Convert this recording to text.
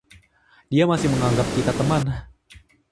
Dia masih menganggap kita teman.